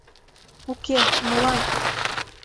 — Уке, молан...